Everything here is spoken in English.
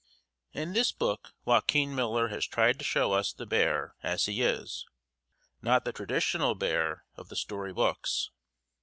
In this book Joaquin Miller has tried to show us the bear as he is, not the traditional bear of the story books.